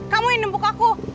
kamu yang nipuk aku